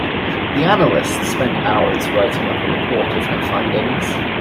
The analyst spent hours writing up a report of her findings.